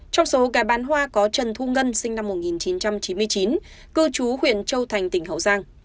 trong số cá bán hoa có trần thu ngân sinh năm một nghìn chín trăm chín mươi chín cư trú huyện châu thành tỉnh hậu giang